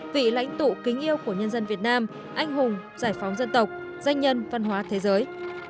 vị lãnh tụ kính yêu của nhân dân việt nam anh hùng giải phóng dân tộc danh nhân văn hóa thế giới